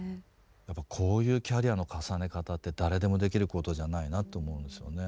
やっぱこういうキャリアの重ね方って誰でもできることじゃないなと思うんですよね。